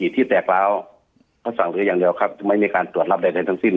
ที่แตกร้าวเขาสั่งเสียอย่างเดียวครับไม่มีการตรวจรับใดทั้งสิ้น